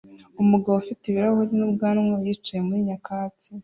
Umugabo ufite ibirahure n'ubwanwa yicaye muri nyakatsi